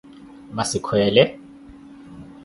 Massi kweele ?